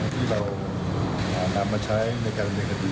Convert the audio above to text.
ที่เราอาจมาใช้ในการเรียนคดี